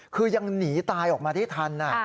คือยังหนีตายออกมาได้ทัน